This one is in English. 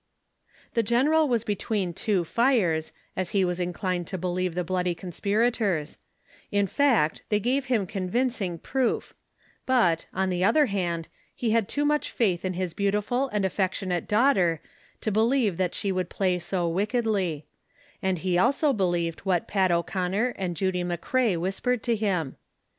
The general was between two fires, as he was inclined to believe the bloody consinrators ; in fact, they gave him convincing proof ; but, on the other hand, he had too much faith in his beautiful and affectionate daughter to believe she would play so wickedly ; and he also believed what Pat O'Conner and Judy McCrea whispered to him.